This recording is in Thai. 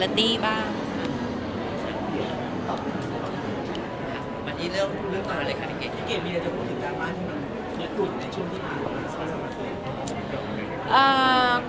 ตอนนี้เริ่มต่อเลยค่ะในเกมมีอะไรจะพูดถึงการบ้านที่มันหยุดในช่วงที่มา